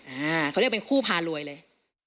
อ่าเขาเรียกเป็นคู่พารวยเลย